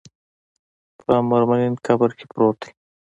په مرمرین قبر کې پروت دی.